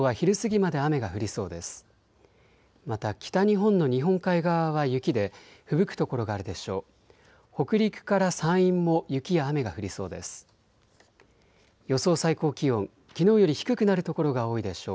また北日本の日本海側は雪でふぶく所があるでしょう。